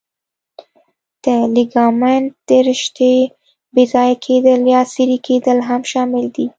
د لیګامنت د رشتې بې ځایه کېدل یا څیرې کېدل هم شامل دي.